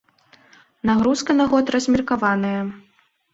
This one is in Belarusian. Нагрузка на год размеркаваная.